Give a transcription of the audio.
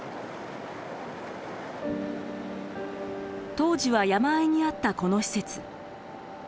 当時は山あいにあったこの施設。